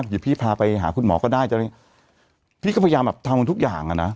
หรือพี่พาไปหาคุณหมอก็ได้พี่ก็พยายามแบบทำทุกอย่างอ่ะนะ